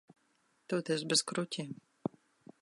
Toties bez kruķiem.